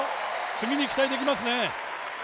次に期待できますね。